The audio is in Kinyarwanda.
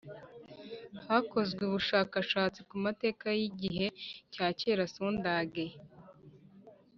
Hakozwe ubushakashatsi ku mateka y igihe cya kera sondage